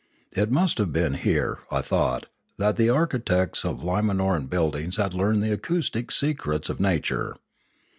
It must have been here, I thought, that the architects of Limanoran buildings had learned the acoustic secrets of nature.